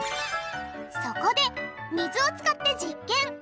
そこで水を使って実験！